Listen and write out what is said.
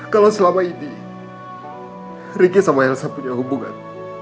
kalau selama ini ricky sama elsa punya hubungan